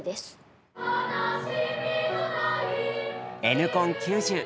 「Ｎコン９０」